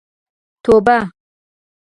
توبه.